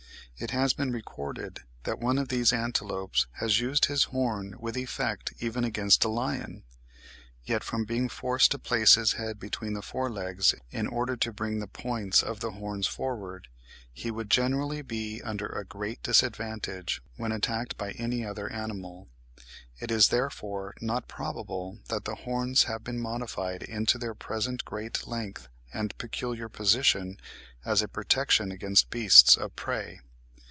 It has been recorded that one of these antelopes has used his horn with effect even against a lion; yet from being forced to place his head between the forelegs in order to bring the points of the horns forward, he would generally be under a great disadvantage when attacked by any other animal. It is, therefore, not probable that the horns have been modified into their present great length and peculiar position, as a protection against beasts of prey.